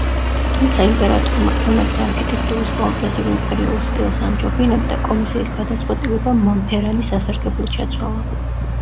თუმცა იმპერატორმა, რომელიც არქიტექტურის პომპეზურ იმპერიულ სტილს ამჯობინებდა, კომისიის გადაწყვეტილება მონფერანის სასარგებლოდ შეცვალა.